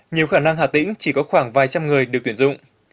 nhiều khả năng hà tĩnh chỉ có khoảng vài trăm người được tuyển dụng